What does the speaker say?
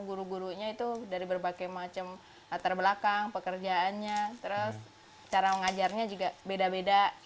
guru gurunya itu dari berbagai macam latar belakang pekerjaannya terus cara mengajarnya juga beda beda